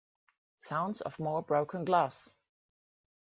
Sounds of more broken glass.